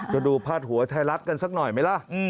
ดูพาดหัวไทยรัฐกันสักหน่อยไหมล่ะ